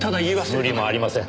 無理もありません。